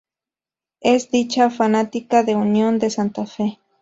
Es hincha fanática de Unión de Santa Fe.